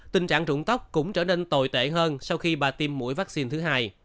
tình trạng trụng tóc cũng trở nên tồi tệ hơn sau khi bà tiêm mũi vaccine thứ hai